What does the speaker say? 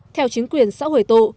theo chính quyền xã huế tụ